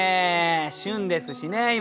旬ですしね今ね。